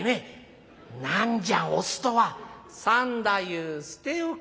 「何じゃオスとは！」。「三太夫捨て置け」。